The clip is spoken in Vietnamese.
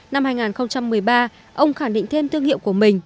năm hai nghìn một mươi ba ông khẳng định thêm thương hiệu của mình